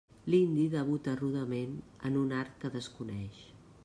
L'indi debuta rudement en un art que desconeix.